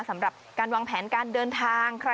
สำหรับการวางแผนการเดินทาง